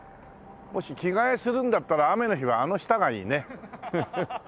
もし着替えするんだったら雨の日はあの下がいいね。